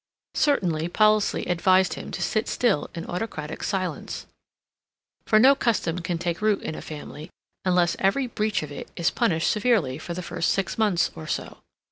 Certainly, policy advised him to sit still in autocratic silence, for no custom can take root in a family unless every breach of it is punished severely for the first six months or so.